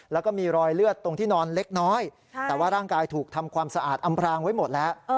แล้วก็มีรอยเลือดตรงที่นอนเล็กน้อยแต่ว่าร่างกายถูกทำความสะอาดอำพรางไว้หมดแล้ว